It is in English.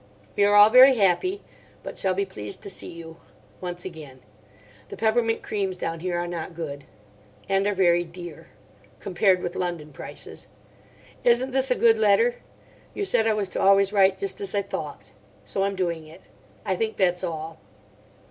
We are all very happy. But shall be pleased to see you. Once again. The peppermint creams down here are not good. And are very dear. Compared with London prices. Isn't this a good letter? You said I was to always write just as I thought. So I'm doing it. I think that's all."